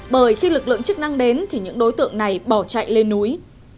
bởi khi lực lượng chức năng đến thì những đối tượng này bỏ chạy lên núi